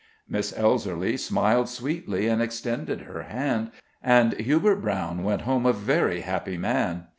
Miss Elserly smiled sweetly, and extended her hand, and Hubert Brown went home a very happy man.